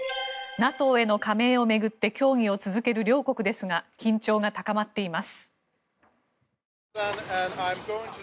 ＮＡＴＯへの加盟を巡って協議を続ける両国ですが緊張が高まっています。